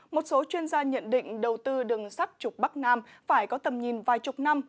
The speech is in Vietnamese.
một số chuyên gia nhận định đầu tư đường sắt trục bắc nam phải có tầm nhìn vài chục năm